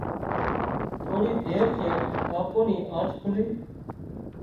ٿوڙي دير چيڙ ٻاپو ني آنڇ کُلي